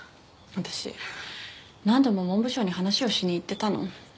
私何度も文部省に話をしに行ってたの。